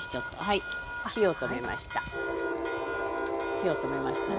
火を止めましたね。